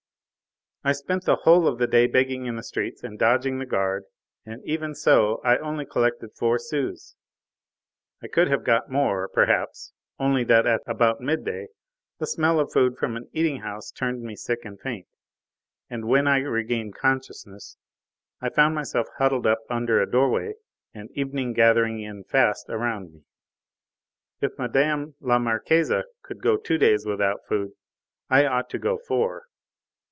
I spent the whole of the day begging in the streets and dodging the guard, and even so I only collected four sous. I could have got more perhaps, only that at about midday the smell of food from an eating house turned me sick and faint, and when I regained consciousness I found myself huddled up under a doorway and evening gathering in fast around me. If Mme. la Marquise could go two days without food I ought to go four.